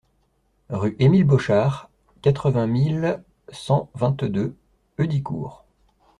Rue Émile Bauchart, quatre-vingt mille cent vingt-deux Heudicourt